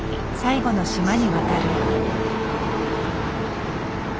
最後の島に渡る。